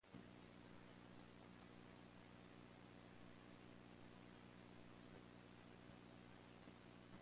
Photographic optics generally project a circular image behind the lens.